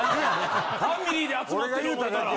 ファミリーで集まってる思たら。